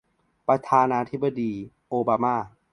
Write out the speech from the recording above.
ประธานาธิปดีโอบาม่า